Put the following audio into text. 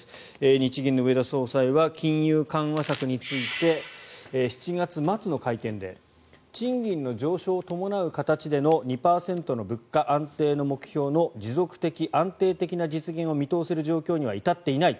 日銀の植田総裁は金融緩和策について７月末の会見で賃金の上昇を伴う形での２％の物価安定の目標の持続的・安定的な実現を見通せる状況には至っていない。